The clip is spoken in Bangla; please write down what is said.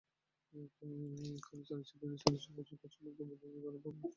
তিনি চার্লি চ্যাপলিনের সাথে পার্শ্ব ভূমিকায় অভিনয়ের জন্য সমধিক পরিচিত।